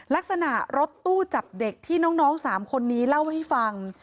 ลักษณะรถตู้จับเด็กที่น้อง๓คนนี้เล่าให้ฟัง